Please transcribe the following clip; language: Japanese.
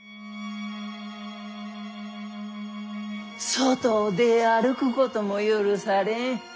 外を出歩くことも許されん。